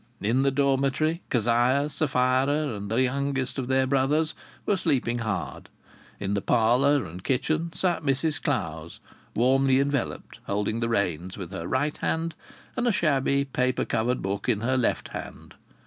In the dormitory Kezia, Sapphira and the youngest of their brothers were sleeping hard. In the parlour and kitchen sat Mrs Clowes, warmly enveloped, holding the reins with her right hand and a shabby, paper covered book in her left hand.